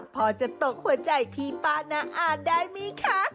พอจะตกหัวใจพี่ป้าน้าอาจได้ไหมคะ